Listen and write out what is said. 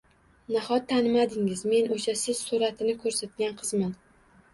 -Nahot tanimadingiz, men o’sha siz suratini ko’rsatgan qizman.